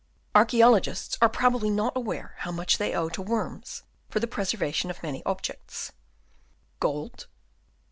Archaeologists are probably not aware how much they owe to worms for the preservation of many ancient objects.